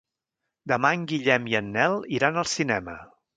Demà en Guillem i en Nel iran al cinema.